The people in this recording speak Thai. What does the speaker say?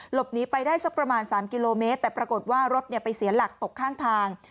หลบหนีไปได้สักประมาณ๓กิโลเมตรแต่ปรากฏว่ารถไปเสียหลักตกข้างทาง